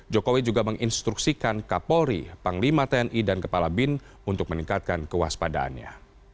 jokowi juga menginstruksikan kapolri panglima tni dan kepala bin untuk meningkatkan kewaspadaannya